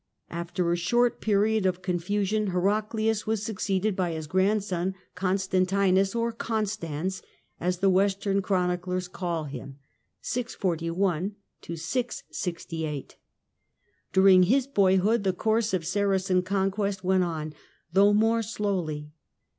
After a short period of confusion, Heraclius wasconstan succeeded by his grandson Constantinus, or Constans as q^"' bi the Western chroniclers call him. During his boyhood the course of Saracen conquest went on, though more slowly.